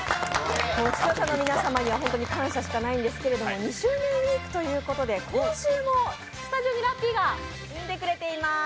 視聴者の皆様には感謝しかないんですが、２周年ウィークということで今週もスタジオにラッピーが来てくれています。